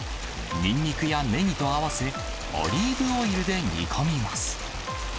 ニンニクやネギと合わせ、オリーブオイルで煮込みます。